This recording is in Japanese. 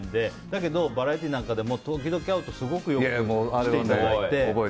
だけど、バラエティーなんかでも時々会うとすごくよくしていただいて。